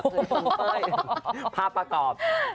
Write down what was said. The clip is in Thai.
เกินไปภาพประกอบ